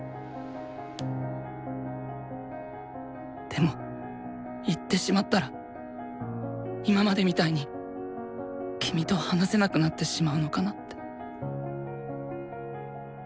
でも言ってしまったら今までみたいに君と話せなくなってしまうのかなって。